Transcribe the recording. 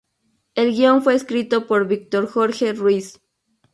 El guion fue escrito por Víctor Jorge Ruiz.